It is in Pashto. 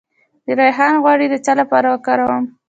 د ریحان غوړي د څه لپاره وکاروم؟